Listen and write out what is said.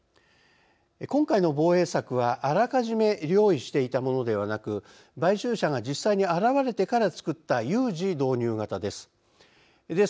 今回の防衛策はあらかじめ用意していたものではなく買収者が実際に現れてから作った「有事導入型」です。